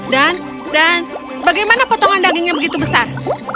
dan bagaimana potongan dagingnya begitu besar